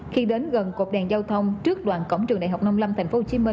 khi đến gần cột đèn giao thông trước đoàn cổng trường đại học năm mươi năm tp hcm